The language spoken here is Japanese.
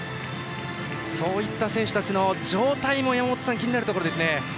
そういった選手たちの状態も気になるところですね。